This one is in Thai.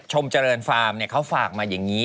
ชมเจริญฟาร์มเขาฝากมาอย่างนี้